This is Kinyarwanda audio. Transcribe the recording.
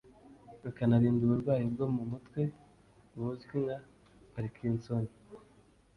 ukanarinda uburwayi bwo mu mutwe buzwi nka Parkinson